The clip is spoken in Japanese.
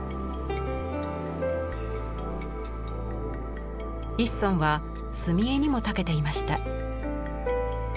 一村は墨絵にもたけていました。